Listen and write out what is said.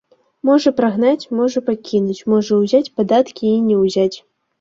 Можа прагнаць, можа пакінуць, можа ўзяць падаткі і не ўзяць.